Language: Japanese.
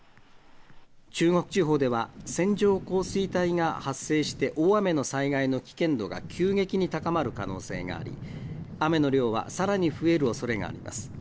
中国地方では線状降水帯が発生して大雨の災害の危険度が急激に高まる可能性があり、雨の量はさらに増えるおそれがあります。